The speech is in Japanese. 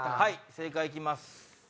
正解行きます。